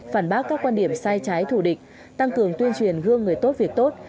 phản bác các quan điểm sai trái thù địch tăng cường tuyên truyền gương người tốt việc tốt